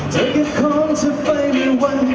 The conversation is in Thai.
จะเก็บของเธอไฟไม่วัน